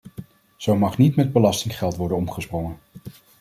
Zo mag niet met belastinggeld worden omgesprongen.